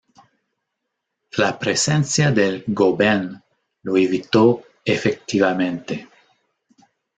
La presencia del "Goeben" lo evitó efectivamente.